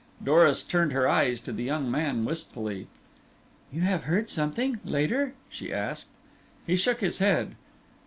Doris turned her eyes to the young man wistfully. "You have heard something later?" she asked. He shook his head.